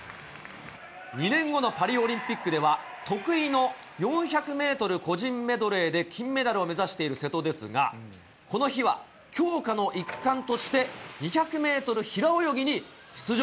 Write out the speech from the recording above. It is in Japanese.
２年後のパリオリンピックでは、得意の４００メートル個人メドレーで金メダルを目指している瀬戸ですが、この日は強化の一環として、２００メートル平泳ぎに出場。